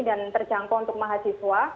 dan terjangkau untuk mahasiswa